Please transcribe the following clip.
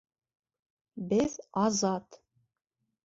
Беҙ — азат.